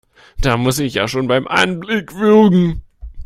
Da muss ich ja schon beim Anblick würgen!